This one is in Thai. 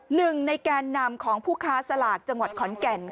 หนึ่งในแกนนำของผู้ค้าสลากจังหวัดขอนแก่น